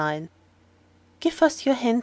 "GIVE US YOUR HAND, MR.